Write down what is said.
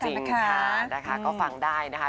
จริงค่ะนะคะก็ฟังได้นะคะ